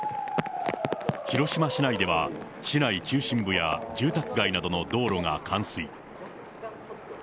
広島市内では、市内中心部や住宅街などの道路が冠水。